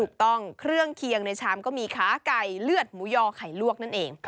เครื่องเคียงในชามก็มีขาไก่เลือดหมูยอไข่ลวกนั่นเอง